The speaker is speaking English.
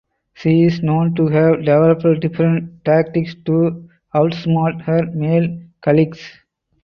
She is known to have developed different tactics to outsmart her male colleagues.